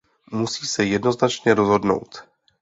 Musí se jednoznačně rozhodnout.